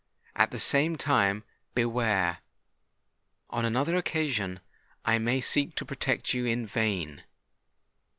At the same time, beware! On another occasion, I may seek to protect you in vain!"